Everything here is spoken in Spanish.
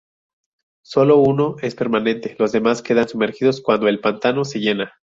Solo uno es permanente, los demás quedan sumergidos cuando el pantano se llena.